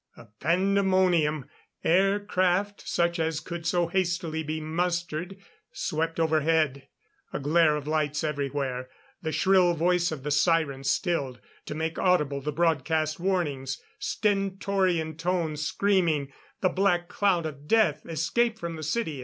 A pandemonium. Aircraft, such as could so hastily be mustered, swept overhead. A glare of lights everywhere. The shrill voice of the siren stilled, to make audible the broadcast warnings stentorian tones screaming: "The Black Cloud of Death! Escape from the city!